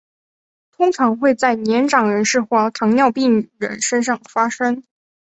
通常会在年长人士或糖尿病人身上发生。